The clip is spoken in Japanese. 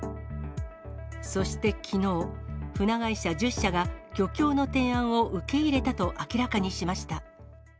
そして、きのう、船会社１０社が、漁協の提案を受け入れたと明らかにしました。